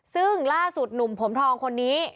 ซึ่งล่าสุดหนุ่มผมทองคนนี้